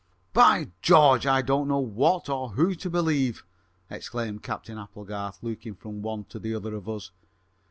"By George, I don't know who or what to believe," exclaimed Captain Applegarth, looking from the one to the other of us.